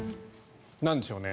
なんでしょうね。